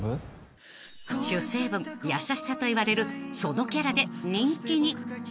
［主成分優しさといわれるそのキャラで人気に］